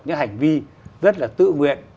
những hành vi rất là tự nguyện